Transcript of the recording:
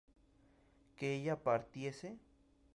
¿que ella partiese?